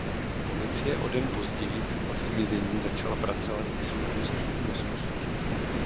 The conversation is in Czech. Policie o den později od zmizení začala pracovat i s možností únosu dívky.